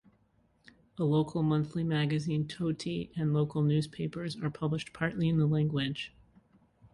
A local monthly magazine "Toti" and local newspapers are published partly in the language.